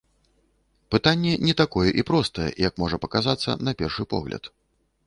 Пытанне не такое і простае, як можа паказацца на першы погляд.